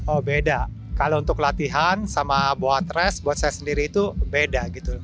oh beda kalau untuk latihan sama buat res buat saya sendiri itu beda gitu